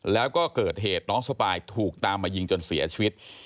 แล้วก็เกิดเหตุน้องสปายถูกตามมายิงจนเสียชีวิต